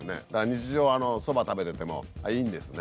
日常そば食べててもいいんですね。